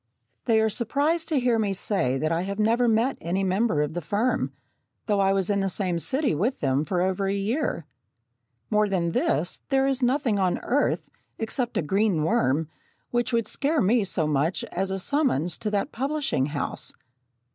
They are surprised to hear me say that I have never met any member of the firm, though I was in the same city with them for over a year. More than this, there is nothing on earth, except a green worm, which would scare me so much as a summons to that publishing house.